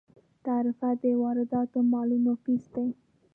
تعرفه د وارداتي مالونو فیس دی.